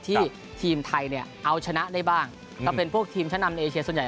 ที่ทีมไทยเอาชนะได้บ้างเราเป็นพวกทีมชนะนำในเอเชียส่วนใหญ่